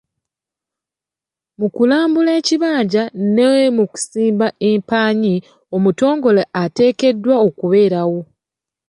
Mu kulambula ekibanja ne mu kusimba empaanyi omutongole ateekeddwa okubeerawo.